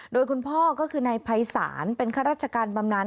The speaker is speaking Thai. โดยคุณพ่อก็คือนายภัยศาลเป็นข้าราชการบำนาน